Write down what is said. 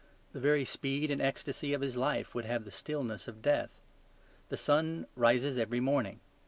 The very speed and ecstasy of his life would have the stillness of death. The sun rises every morning.